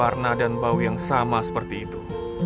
dan memiliki warna dan bau yang sama seperti itu